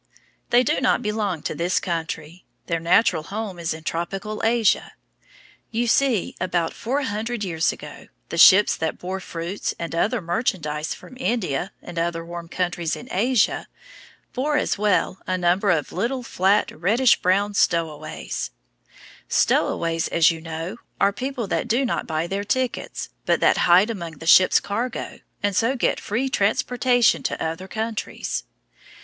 They do not belong to this country. Their natural home is tropical Asia. You see, about four hundred years ago, the ships that bore fruits and other merchandise from India and other warm countries in Asia, bore, as well, a number of little, flat, reddish brown stowaways. Stowaways, as you know, are people that do not buy their tickets, but that hide among the ship's cargo, and so get free transportation to other countries.